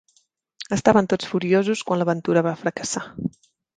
Estaven tots furiosos quan l'aventura va fracassar.